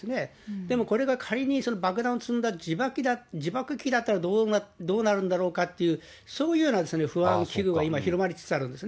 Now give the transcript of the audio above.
でも、これが仮に、爆弾を積んだ自爆機だったらどうなるんだろうかという、そういうような不安、危惧が今、広まりつつあるんですね。